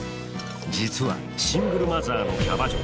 実はシングルマザーのキャバ嬢。